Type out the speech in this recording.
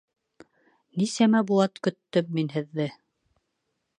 — Нисәмә быуат көттөм мин Һеҙҙе!